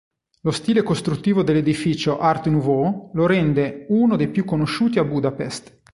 Lo stile costruttivo dell'edificio "art nouveau" lo rende uno dei più conosciuti a Budapest.